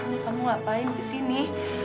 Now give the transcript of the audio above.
rama kamu ngapain di sini